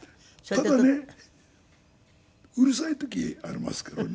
ただねうるさい時ありますけどね。